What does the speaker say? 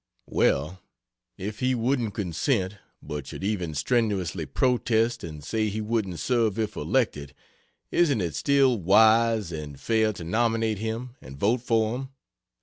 Well, if he wouldn't consent, but should even strenuously protest and say he wouldn't serve if elected, isn't it still wise and fair to nominate him and vote for him?